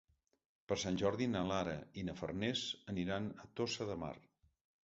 Per Sant Jordi na Lara i na Farners aniran a Tossa de Mar.